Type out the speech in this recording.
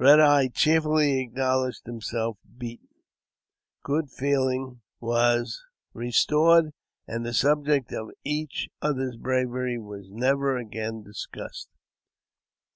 Eed Eyes cheerfully acknowledged himself beaten, good feeling was restored, and the subject of each other's bravery was never after discussed.